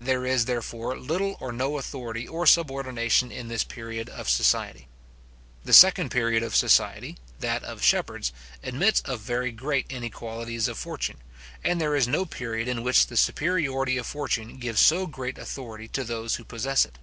There is, therefore, little or no authority or subordination in this period of society. The second period of society, that of shepherds, admits of very great inequalities of fortune, and there is no period in which the superiority of fortune gives so great authority to those who possess it.